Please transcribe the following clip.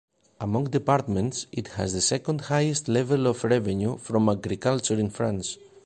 Among departments, it has the second highest level of revenue from agriculture in France.